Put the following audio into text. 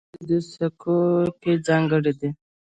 د دوی څیرې په سکو کې ځانګړې دي